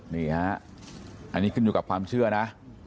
นี่ฮะอันนี้ขึ้นอยู่กับความเชื่อนะ